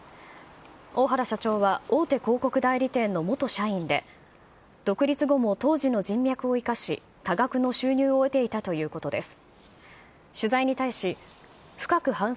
大原社長は大手広告代理店の元社員で、独立後も当時の人脈を生かし、多額の収入を得ていたということです。